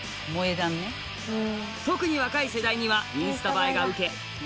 特に若い世代にはインスタ映えがウケ